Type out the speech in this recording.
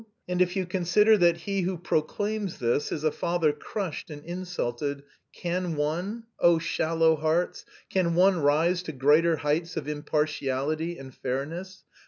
And if you consider that he who proclaims this is a father crushed and insulted, can one oh, shallow hearts can one rise to greater heights of impartiality and fairness?...